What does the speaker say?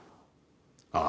ああ。